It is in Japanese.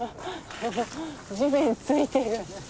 地面ついてるよね。